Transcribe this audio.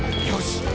「よし！